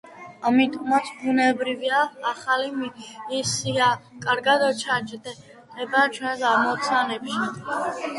ამიტომაც, ბუნებრივია ახალი მისია კარგად ჩაჯდება ჩვენს ამოცანებში.